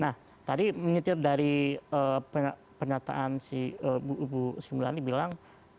nah tadi mengitir dari penyataan si bu simulani bilang